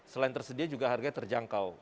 selain tersedia juga harganya terjangkau